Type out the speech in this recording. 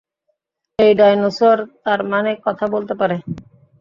এই ডাইনোসর তারমানে কথা বলতে পারে।